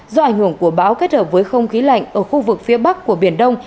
do ảnh hưởng của bão kết hợp với không khí lạnh ở khu vực phía bắc của biển đông